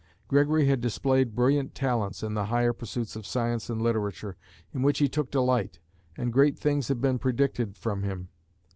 Gregory had displayed brilliant talents in the higher pursuits of science and literature, in which he took delight, and great things had been predicted from him.